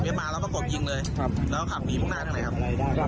กลับมาแล้วก็กลับยิงเลยแล้วกลับมีพวกหน้าทางไหนครับ